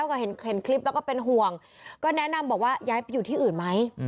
ก็เห็นคลิปแล้วก็เป็นห่วงก็แนะนำบอกว่าย้ายไปอยู่ที่อื่นไหม